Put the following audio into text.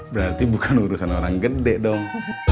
berarti bukan urusan orang gede dong